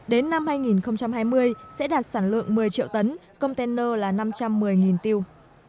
đến năm hai nghìn hai mươi sẽ đạt sản lượng một mươi triệu tấn container là năm trăm một mươi tiêu